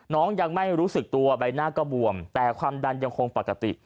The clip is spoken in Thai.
น้องยังไม่รู้สึกตัวใบหน้าก็บวมแต่ความดันยังคงปกติ